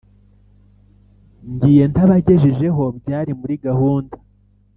Ngiye ntabagejejeyo Byari muri gahunda